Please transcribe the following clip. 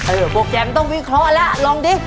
โปรแกรมต้องวิเคราะห์แล้วลองดิ